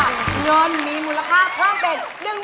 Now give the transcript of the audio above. เงินมีมูลค่าเพิ่มเป็น